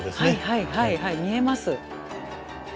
はいはいはい見えます。